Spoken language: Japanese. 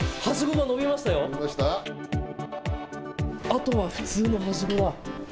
あとは普通のはしごだ。